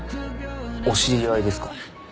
お知り合いですか？